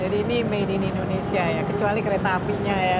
jadi ini made in indonesia ya kecuali kereta apinya ya